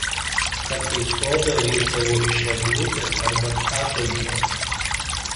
Kartais sodą rišdavo iš eglutės arba kadugio.